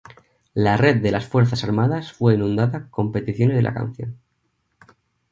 La Red de las Fuerzas Armadas fue inundada con peticiones de la canción.